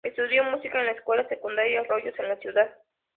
Estudió música en la escuela secundaria "Rollos" en la ciudad.